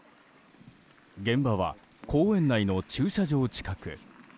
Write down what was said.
現場は公園内の駐車場近く。